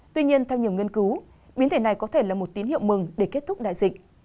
tuy nhiên theo nhiều nghiên cứu biến thể này có thể là một tín hiệu mừng để kết thúc đại dịch